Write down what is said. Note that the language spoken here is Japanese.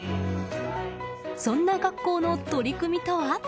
そんな学校の取り組みとは？